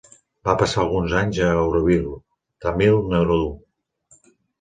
Va passar alguns anys a Auroville, Tamil Nadu.